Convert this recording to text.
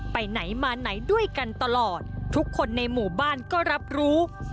ไปไหนมาไหนด้วยกันตลอดทุกคนในหมู่บ้านก็รับรู้